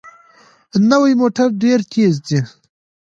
نوې موټر ډېره تېزه ځي